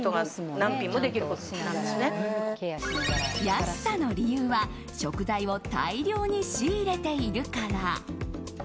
安さの理由は食材を大量に仕入れているから。